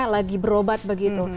lagi berobat begitu